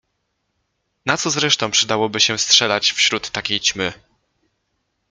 Na co zresztą przydałoby się strzelać wśród takiej ćmy?